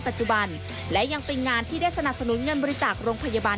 ปัจจุบันและยังเป็นงานที่ได้สนับสนุนเงินบริจาคโรงพยาบาล